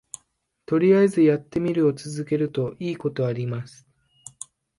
とりあえずやってみるを続けるといいことあります